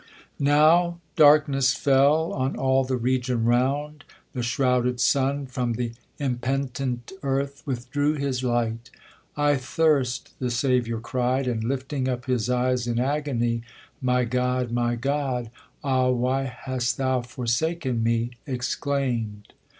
IVrOW darkness fell ■^^ On all the region round ; the shrouded sun ! From the impen' tent earth withdrew his light : I thirst, the Saviour cry'd ; and lifting up His eyes in agony, My God, my God !• Ah ! why hast thou forsaken me ? exclaim'd.